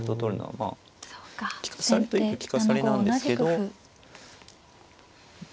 利かされといえば利かされなんですけど。